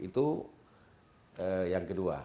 itu yang kedua